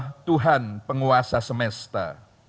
ya allah tuhan penguasa semesta